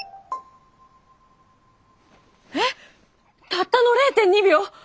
たったの０．２秒！？